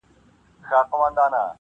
• پردې ځمکه قيامونه -